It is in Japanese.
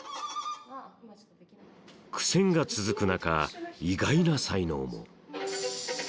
苦戦が続く中意外な才能も